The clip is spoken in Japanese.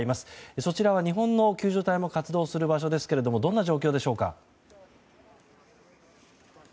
そちらは日本の救助隊も活動する場所ですがどんな状況でしょうか？